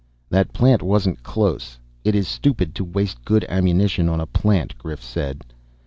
"That plant wasn't close. It is stupid to waste good ammunition on a plant," Grif said.